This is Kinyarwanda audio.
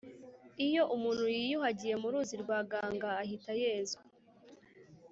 iyo umuntu yiyuhagiye mu ruzi rwa ganga ahita yezwa.